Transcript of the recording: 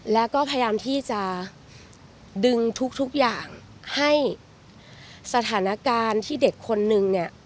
แล้วก็พยายามที่จะดึงทุกทุกอย่างให้สถานการณ์ที่เด็กคนนึงเนี่ย